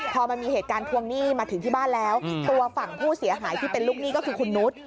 พอมันมีเหตุการณ์ทวงหนี้มาถึงที่บ้านแล้วตัวฝั่งผู้เสียหายที่เป็นลูกหนี้ก็คือคุณนุษย์